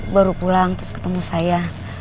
baru pulang terus ketemu saya